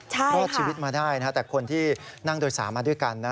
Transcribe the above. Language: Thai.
รอดชีวิตมาได้แต่คนที่นั่งโดยสารมาด้วยกันนะ